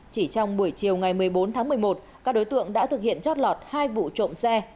chỉ trong buổi chiều ngày một mươi bốn tháng một mươi một các đối tượng đã thực hiện chót lọt hai vụ trộm xe